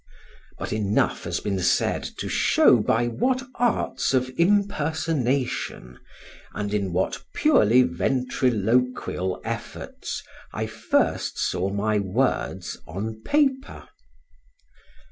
But enough has been said to show by what arts of impersonation, and in what purely ventriloquial efforts I first saw my words on paper.